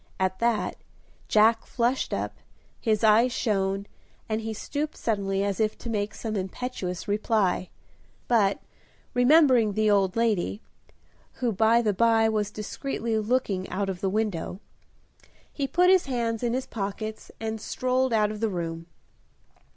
At that, Jack flushed up, his eyes shone, and he stooped suddenly as if to make some impetuous reply. But, remembering the old lady (who, by the by, was discreetly looking out of the window), he put his hands in his pockets and strolled out of the room.